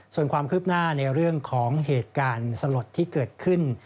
ส่วนความคืบหน้าในเรื่องของเหตุการณ์สลดที่เกิดขึ้น